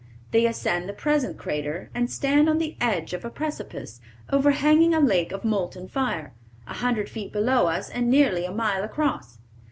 They ascend the present crater, and stand on the "edge of a precipice, overhanging a lake of molten fire, a hundred feet below us, and nearly a mile across.